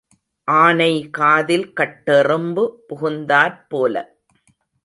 ஆனை காதில் கட்டெறும்பு புகுந்தாற் போல.